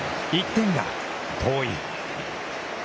１点が遠い。